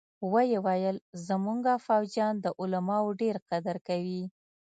ويې ويل زمونګه فوجيان د علماوو ډېر قدر کوي.